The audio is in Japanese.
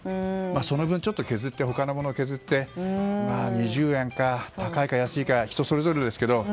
その分、ちょっと他のものを削って２０円か、高いか安いかは人それぞれですが。